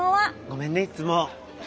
ごめんねいっつも。